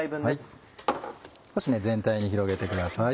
少し全体に広げてください。